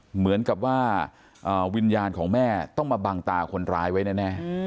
เหมือนกับว่าวิญญาณของแม่ต้องมาบังตาคนร้ายไว้แน่